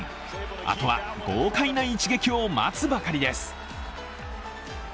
あとは豪快な一撃を待つばかりです。